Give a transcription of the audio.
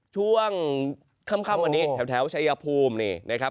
ข้างข้างข้างวันนี้แถวชายภูมิขอนิกัณฑ์๑๐๑